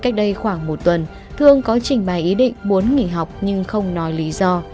trong một tuần thương có trình bài ý định muốn nghỉ học nhưng không nói lý do